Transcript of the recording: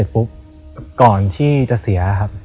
ปุ๊บก่อนที่จะเสียครับ